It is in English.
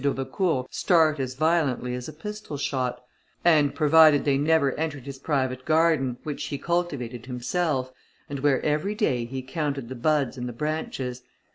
d'Aubecourt start as violently as a pistol shot; and provided they never entered his private garden, which he cultivated himself, and where every day he counted the buds and the branches.